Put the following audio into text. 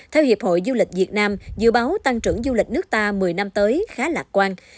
theo hiệp hội du lịch việt nam dự báo tăng trưởng du lịch nước ta một mươi năm tới khá lạc quan